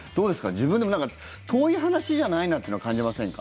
自分でも遠い話じゃないなっていうのは感じませんか？